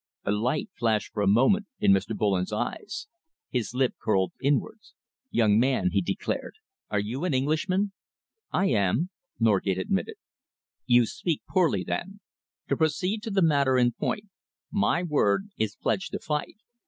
A light flashed for a moment in Mr. Bullen's eyes. His lip curled inwards. "Young man," he demanded, "are you an Englishman?" "I am," Norgate admitted. "You speak poorly, then. To proceed to the matter in point, my word is pledged to fight.